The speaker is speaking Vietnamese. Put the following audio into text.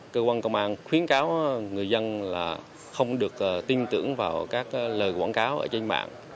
cơ quan công an khuyến cáo người dân là không được tin tưởng vào các lời quảng cáo ở trên mạng